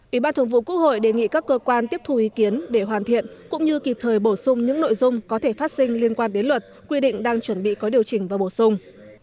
ủy ban thường vụ quốc hội đề nghị các cơ quan tiếp thù ý kiến để hoàn thiện cũng như kịp thời bổ sung những nội dung có thể phát sinh liên quan đến luật quy định đang chuẩn bị có điều chỉnh và bổ sung